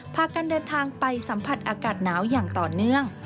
พากันเดินทางไปสัมผัสอากาศหนาวอย่างต่อเนื่อง